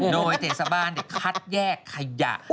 โดยเทศบาลคัดแยกขยะ